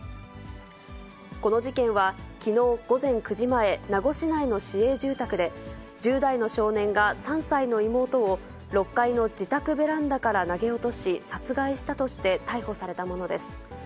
この事件は、きのう午前９時前、名護市内の市営住宅で、１０代の少年が３歳の妹を、６階の自宅ベランダから投げ落とし、殺害したとして逮捕されたものです。